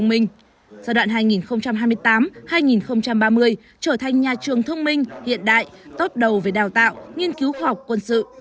giai đoạn sau năm hai nghìn ba mươi tầm nhìn hai nghìn bốn mươi năm trở thành nhà trường thông minh hiện đại tốt đầu về đào tạo nghiên cứu khoa học quân sự